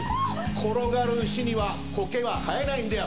転がる石には苔は生えないんだよ。